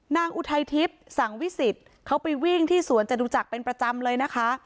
อุทัยทิพย์สังวิสิทธิ์เขาไปวิ่งที่สวนจตุจักรเป็นประจำเลยนะคะ